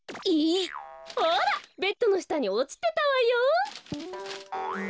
ほらベッドのしたにおちてたわよ。